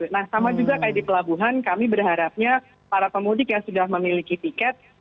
nah sama juga kayak di pelabuhan kami berharapnya para pemudik yang sudah memiliki tiket